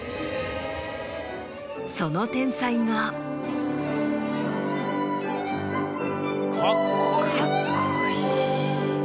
その天才が。カッコいい！